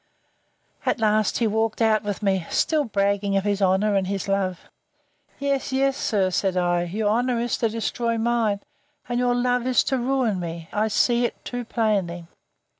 At last he walked out with me, still bragging of his honour and his love. Yes, yes, sir, said I, your honour is to destroy mine: and your love is to ruin me; I see it too plainly.